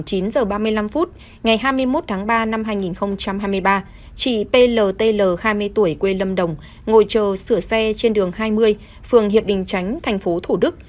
theo hồ sơ vụ án khoảng chín h ba mươi năm ngày hai mươi một tháng ba năm hai nghìn hai mươi ba chị pltl hai mươi tuổi quê lâm đồng ngồi chờ sửa xe trên đường hai mươi phường hiệp định tránh tp thủ đức